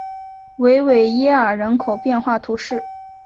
维维耶尔人口变化图示